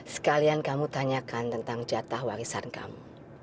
sekalian kamu tanyakan tentang jatah wangsan kamu